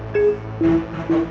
bukan mau jual tanah